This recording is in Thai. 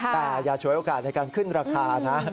แต่อย่าฉวยโอกาสในการขึ้นราคานะ